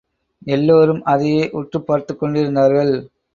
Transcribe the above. எல்லாரும் அதையே உற்றுப் பார்த்துக்கொண்டிருந்தார்கள்.